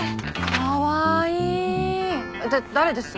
かわいい！って誰です？